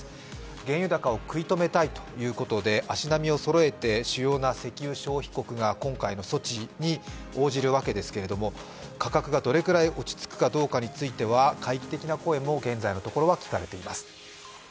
原油高を食い止めたいということで、足並みをそろえて主要な石油消費国が今回の措置に応じるわけですけれども、価格がどれくらい落ち着くかどうかについては懐疑的な声も現在のところは聞かれます。